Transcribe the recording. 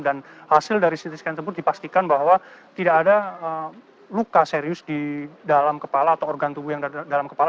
hasil dari ct scan tersebut dipastikan bahwa tidak ada luka serius di dalam kepala atau organ tubuh yang dalam kepala